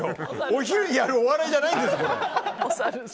お昼にやるお笑いじゃないんです。